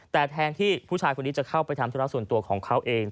แต่แทนที่ผู้ชายคนนี้จะเข้าไปทำธุระส่วนตัวของเขาเอง